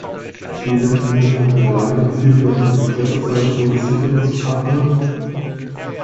Wie nennt man eine Alleinerziehende an einem Kletterseil ohne Sicherungspartner?